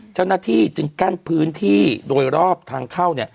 เจ้าหน้าที่จึงกั้นพื้นที่โดยรอบทางเข้า